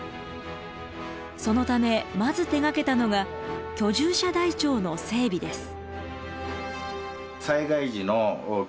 そのためまず手がけたのが居住者台帳の整備です。